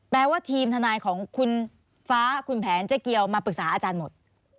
แปลว่าทีมทนายของคุณฟ้าคุณแผนเจ๊เกียวมาปรึกษาอาจารย์หมด